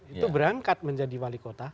itu berangkat menjadi wali kota